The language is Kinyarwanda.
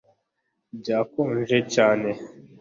Byakonje cyane